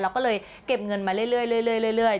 เราก็เลยเก็บเงินมาเรื่อย